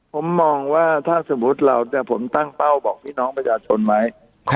ผมมองว่าถ้าสมมุติเราจะผมตั้งเป้าบอกพี่น้องประชาชนไหม